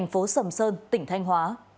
phố sầm sơn tỉnh thanh hóa